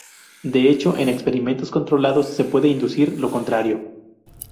De hecho en experimentos controlados se puede inducir lo contrario.